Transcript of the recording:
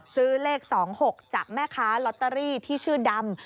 เลข๒๖จากแม่ค้าลอตเตอรี่ที่ชื่อดำ